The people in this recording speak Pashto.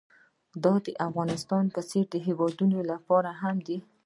دا د افغانستان په څېر هېوادونو لپاره هم دی.